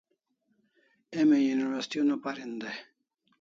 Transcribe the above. Emi university una parin dai